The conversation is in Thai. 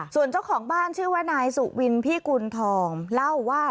ส่วนเจ้าของบ้านชื่อว่านายสุวินพี่กุณฑองเล่าว่า